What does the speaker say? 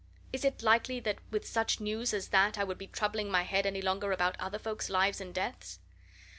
Is it likely that with such news as that I would be troubling my head any longer about other folks' lives and deaths?